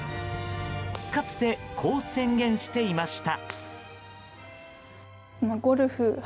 かつて、こう宣言していました。